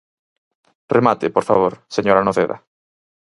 Remate, por favor, señora Noceda.